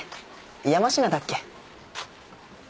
山科だっけ？